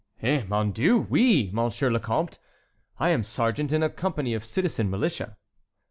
"Eh, mon Dieu, oui, Monsieur le Comte! I am sergeant in a company of citizen militia."